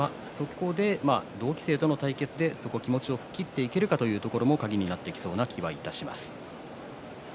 同期生との対戦で気持ちを吹っ切っていけるかどうかも鍵になりそうな気がします。